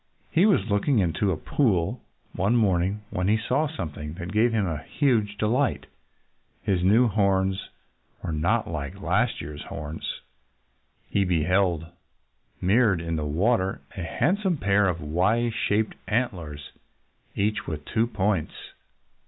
He was looking into a pool one morning when he saw something that gave him huge delight. His new horns were not like last year's horns. He beheld, mirrored in the water, a handsome pair of Y shaped antlers, each with two points!